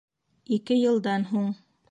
Ике йылдан һуң